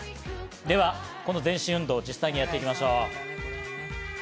ではこの全身運動を実際にやっていきましょう。